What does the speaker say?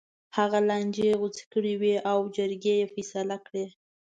هغه لانجې غوڅې کړې وې او جرګې یې فیصله کړې.